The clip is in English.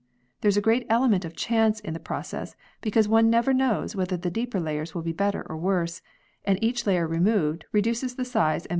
There is a great element of chance in the process, because one never knows whether the deeper layers will be better or worse, and each layer removed reduces the size and value of the pearl.